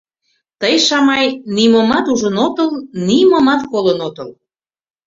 Тый, Шамай, нимомат ужын отыл, нимомат колын отыл.